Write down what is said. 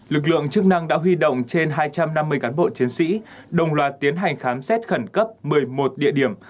lực lượng chức năng đã huy động trên hai trăm năm mươi cán bộ chiến sĩ đồng loạt tiến hành khám xét khẩn cấp một mươi một địa điểm